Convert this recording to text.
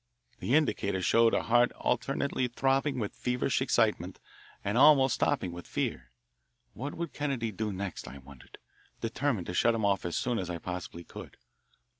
The indicator showed a heart alternately throbbing with feverish excitement and almost stopping with fear. What would Kennedy do next, I wondered, determined to shut him off as soon as I possibly could.